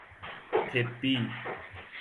طبی